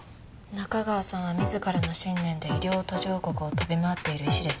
仲川さんは自らの信念で医療途上国を飛び回っている医師です。